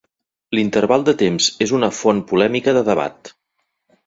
L'interval de temps es una font polèmica de debat.